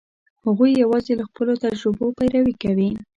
هغوی یواځې له خپلو تجربو پیروي کوي.